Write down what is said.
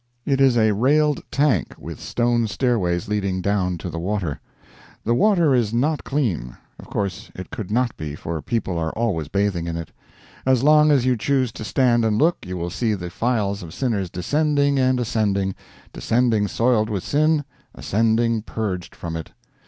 It is a railed tank, with stone stairways leading down to the water. The water is not clean. Of course it could not be, for people are always bathing in it. As long as you choose to stand and look, you will see the files of sinners descending and ascending descending soiled with sin, ascending purged from it.